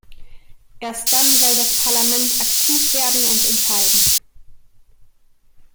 Erst dann soll das Parlament aktiv werden und entscheiden.